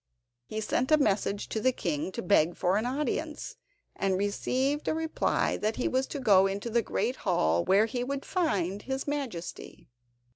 He sent a message to the king to beg for an audience, and received a reply that he was to go into the great hall, where he would find his Majesty.